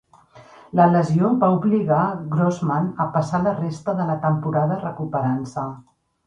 La lesió va obligar Grossman a passar la resta de la temporada recuperant-se.